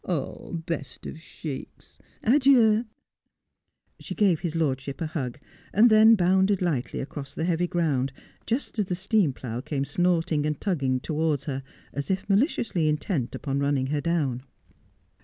' Best of Sheiks, adieu.' She gave his lordship a hug, and then bounded lightly across the heavy ground, just as the steam plough came snorting and tugging towards her, as if maliciously intent upon running her down.